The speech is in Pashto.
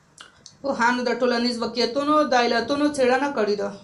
پوهانو د ټولنیز واقعیت د علتونو څېړنه کړې ده.